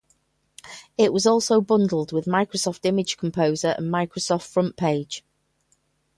It was also bundled with Microsoft Image Composer and Microsoft FrontPage.